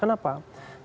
karena itu sudah terbuka